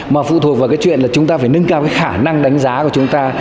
mà phụ thuộc vào cái chuyện là chúng ta phải nâng cao cái khả năng đánh giá của chúng ta